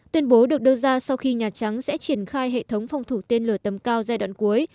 tuyên bố được đưa ra sau khi nhà trắng sẽ triển khai hệ thống phòng thủ tên lửa tầm cao giai đoạn cuối